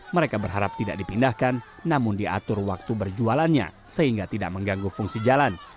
mereka berharap tidak dipindahkan namun diatur waktu berjualannya sehingga tidak mengganggu fungsi jalan